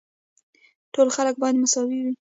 ټول خلک باید مساوي وي.